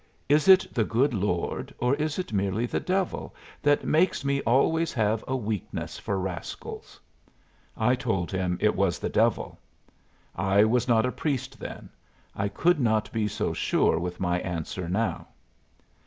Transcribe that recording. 'Is it the good Lord, or is it merely the devil, that makes me always have a weakness for rascals?' I told him it was the devil. I was not a priest then. I could not be so sure with my answer now."